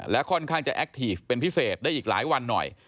และค่อนข้างจะแอคทีฟเป็นพิเศษได้อีกหลายวันหน่อย